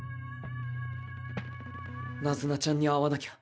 ナズナちゃんに会わなきゃ。